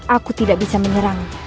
aku tidak bisa menyerang